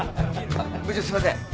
あっ部長すいません。